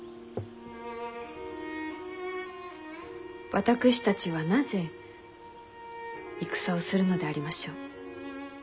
私たちはなぜ戦をするのでありましょう？